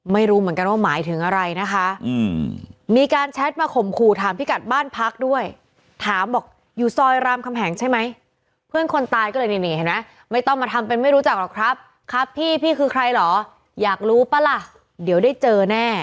ไม่รู้เหมือนกันว่าหมายถึงอะไรนะคะมีการแชทมาข่มขู่ถามพี่กัดบ้านพักด้วยถามบอกอยู่ซอยรามคำแหงใช่ไหมเพื่อนคนตายก็เลยนี่นี่เห็นไหมไม่ต้องมาทำเป็นไม่รู้จักหรอกครับครับพี่พี่คือใครเหรออยากรู้ป่ะล่ะเดี๋ยวได้เจอแน่